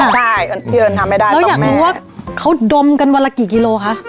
เราอยากรู้ว่าเขาดมกันวันละกี่กิโลกรัมคะ